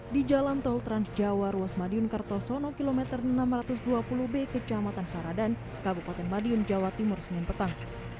di jalan tol trans jawa ruas madiun kartosono km enam ratus dua puluh b ke jaman saradan kabupaten madiun jawa timur senin petang